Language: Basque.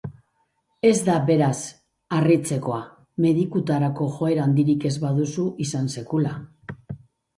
Ez da, beraz, harritzekoa medikutarako joera handirik ez baduzu izan sekula.